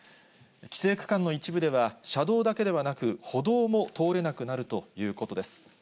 規制区間の一部では、車道だけではなく、歩道も通れなくなるということです。